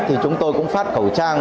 thì chúng tôi cũng phát khẩu trang